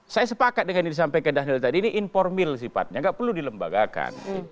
saya sepakat dengan yang disampaikan ke daniel tadi ini informal sifatnya gak perlu dilembagakan